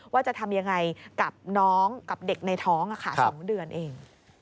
ว่าจะทำยังไงกับน้องกับเด็กในท้อง๒เดือนเอง